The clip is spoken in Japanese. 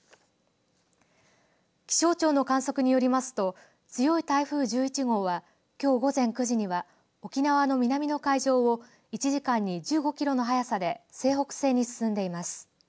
気象庁の観測によりますと強い台風１１号はきょう午前９時には沖縄の南の海上を１時間に１５キロの速さで西北西に進んでいます。